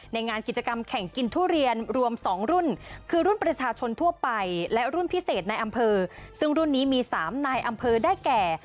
งานกิจกรรมแข่งกินทุเรียนรวม๒รุ่นคือรุ่นประชาชนทั่วไปและรุ่นพิเศษในอำเภอซึ่งรุ่นนี้มี๓นายอำเภอได้แก่